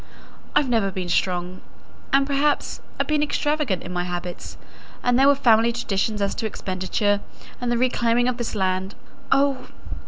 I've never been strong, and, perhaps, I've been extravagant in my habits; and there were family traditions as to expenditure, and the reclaiming of this land. Oh!